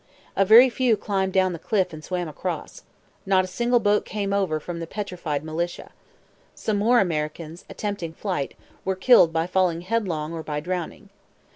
A very few climbed down the cliff and swam across. Not a single boat came over from the 'petrified' militia. Some more Americans, attempting flight, were killed by falling headlong or by drowning.